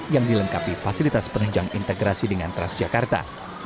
yang dilengkapi fasilitas penunjang integrasi dengan transjakarta